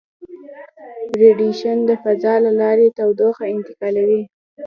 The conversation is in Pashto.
ریډیشن د فضا له لارې تودوخه انتقالوي.